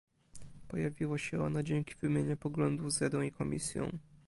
Pojawiło się ono dzięki wymianie poglądów z Radą i Komisją